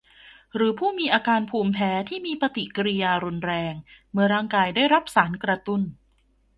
หรือผู้มีอาการภูมิแพ้ที่มีปฏิกิริยารุนแรงเมื่อร่างกายได้รับสารกระตุ้น